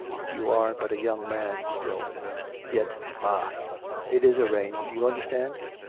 You are but a young man still; yet Bah! It is arranged. You understand